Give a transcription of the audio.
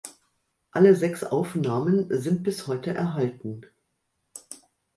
Alle sechs Aufnahmen sind bis heute erhalten.